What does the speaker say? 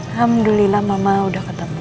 alhamdulillah mama udah ketemu